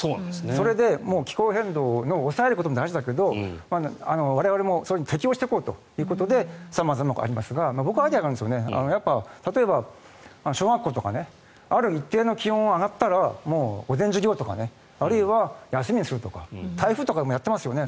それで、気候変動を抑えることも大事だけど我々もそれに適応していこうということで様々なものがありますが僕のアイデアがあるんですが例えば小学校とかある一定の気温が上がったら午前授業とかあるいは休みにするとか台風とかもやっていますよね